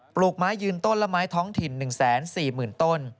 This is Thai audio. ลูกไม้ยืนต้นและไม้ท้องถิ่น๑๔๐๐๐ต้น